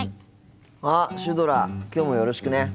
あっシュドラきょうもよろしくね。